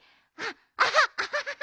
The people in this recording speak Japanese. アハッアハハハ